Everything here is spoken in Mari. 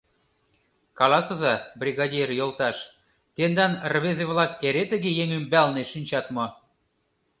— Каласыза, бригадир йолташ, тендан рвезе-влак эре тыге еҥ ӱмбалне шинчат мо?